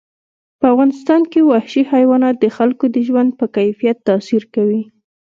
په افغانستان کې وحشي حیوانات د خلکو د ژوند په کیفیت تاثیر کوي.